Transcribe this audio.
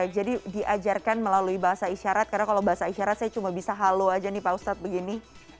jadi diajarkan melalui bahasa isyarat karena kalau bahasa isyarat saya cuma bisa halo saja nih pak ustadz begini